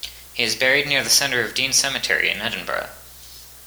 He is buried near the centre of Dean Cemetery in Edinburgh.